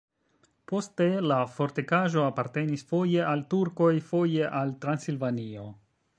Poste la fortikaĵo apartenis foje al turkoj, foje al Transilvanio.